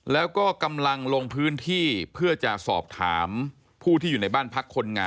แล้วก็กำลังลงพื้นที่เพื่อจะสอบถามผู้ที่อยู่ในบ้านพักคนงาน